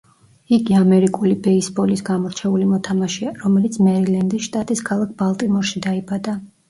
იგი ამერიკული ბეისბოლის გამორჩეული მოთამაშეა, რომელიც მერილენდის შტატის ქალაქ ბალტიმორში დაიბადა.